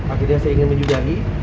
akhirnya saya ingin menyudahi